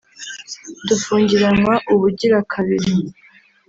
dufungiranwa ubugira kabiri